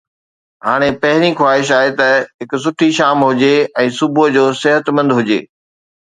هاڻي، پهرين خواهش آهي ته هڪ سٺي شام هجي ۽ صبح جو صحتمند هجي.